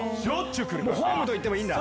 ホームと言ってもいいんだ。